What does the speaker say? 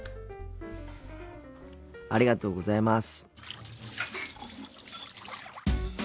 ありがとうございます。